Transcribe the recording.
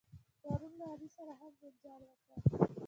پرون له علي سره هم جنجال وکړ.